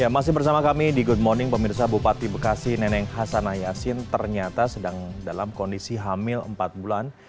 masih bersama kami di good morning pemirsa bupati bekasi neneng hasanah yassin ternyata sedang dalam kondisi hamil empat bulan